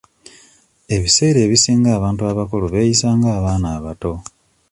Ebiseera ebisinga abantu abakulu beeyisa nga abaana abato.